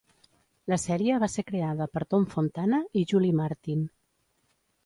La sèrie va ser creada per Tom Fontana i Julie Martin.